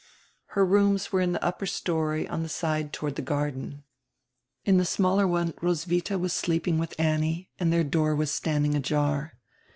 Her rooms were in the upper story on the side toward the garden. In the smaller one Roswitha was sleeping with Annie and their door was standing ajar.